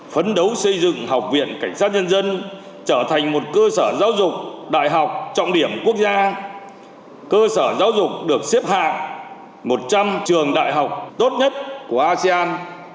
phấn đấu xây dựng học viện cảnh sát nhân dân trở thành một cơ sở giáo dục đại học trọng điểm quốc gia cơ sở giáo dục được xếp hạng một trăm linh trường đại học tốt nhất của asean